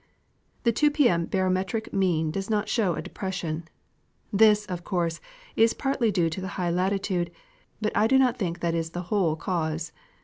The 2 p. m. barometric mean does not show a depression. This, of course, is partly due to the high latitude, but I do not think that is the whole cause.